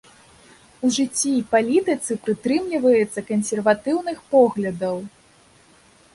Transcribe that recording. У жыцці і палітыцы прытрымліваецца кансерватыўных поглядаў.